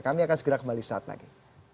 kami akan segera kembali saat lagi